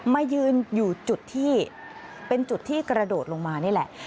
มายืนอยู่จุดที่เป็นจุดที่กระโดดลงมานี่แหละ